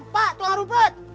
pak tukang rumput